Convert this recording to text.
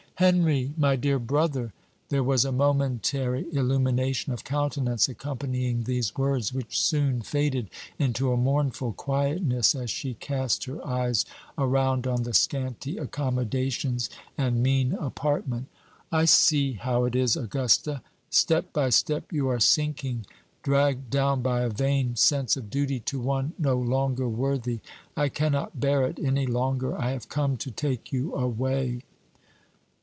"Henry, my dear brother!" There was a momentary illumination of countenance accompanying these words, which soon faded into a mournful quietness, as she cast her eyes around on the scanty accommodations and mean apartment. "I see how it is, Augusta; step by step, you are sinking dragged down by a vain sense of duty to one no longer worthy. I cannot bear it any longer; I have come to take you away."